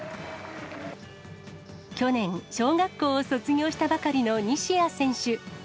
去年、小学校を卒業したばかりの西矢選手。